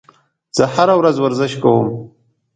زه هره ورځ ورزش